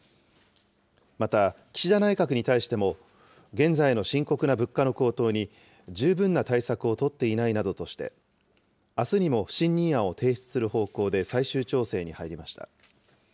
また岸田内閣に対しても、現在の深刻な物価の高騰に十分な対策を取っていないなどとして、あすにも不信任案を提出する方向で最終調整に入りました。